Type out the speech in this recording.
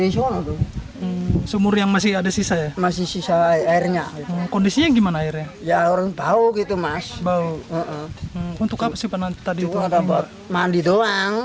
cuma ada buat mandi doang